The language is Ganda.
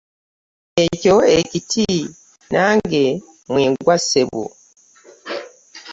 Ekyo ekiti nange mwe ngwa ssebo.